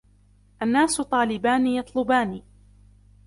النَّاسُ طَالِبَانِ يَطْلُبَانِ